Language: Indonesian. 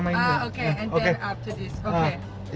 oke dan setelah ini